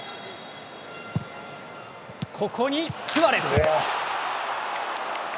ここにスアレス！